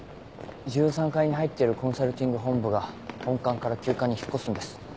１３階に入ってるコンサルティング本部が本館から旧館に引っ越すんです。